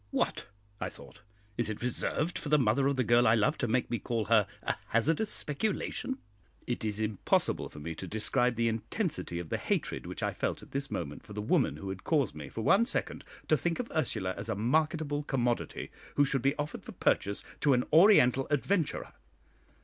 "What!" I thought, "is it reserved for the mother of the girl I love to make me call her 'a hazardous speculation'?" It is impossible for me to describe the intensity of the hatred which I felt at this moment for the woman who had caused me for one second to think of Ursula as a marketable commodity, who should be offered for purchase to an Oriental adventurer.